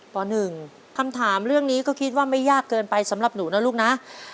ป๑คำถามเรื่องนี้ก็คิดว่าไม่ยากเกินไปสำหรับหนูนะลูกนะ